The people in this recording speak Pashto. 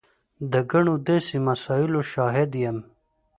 د ګڼو داسې مسایلو شاهد یم.